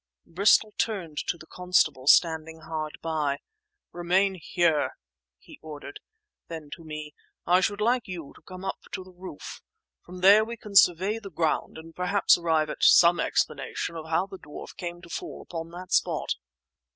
Bristol turned to the constable standing hard by. "Remain here," he ordered. Then to me: "I should like you to come up on to the roof. From there we can survey the ground and perhaps arrive at some explanation of how the dwarf came to fall upon that spot."